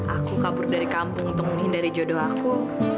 aku kabur dari kampung untuk menghindari jodoh aku